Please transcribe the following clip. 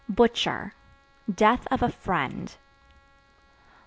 Butcher Death of a friend.